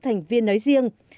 thành viên nói riêng